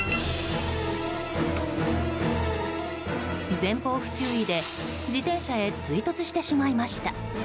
前方不注意で自転車へ追突してしまいました。